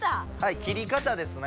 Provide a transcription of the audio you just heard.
切り方ですね。